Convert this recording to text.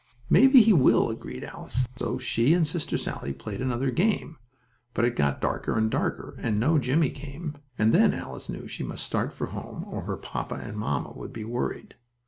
"Maybe he will," agreed Alice, so she and Sister Sallie played another game, but it got darker and darker, and no Jimmie came, and then Alice knew she must start for home, or her papa and mamma would be worried.